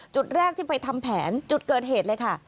จุดแรกที่ไปทำแผนจุดเกิดเหตุเลยค่ะ